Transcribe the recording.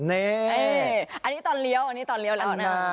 นี่อันนี้ตอนเลี้ยวอันนี้ตอนเลี้ยวแล้วนะ